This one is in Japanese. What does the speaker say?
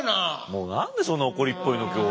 もう何でそんな怒りっぽいの今日。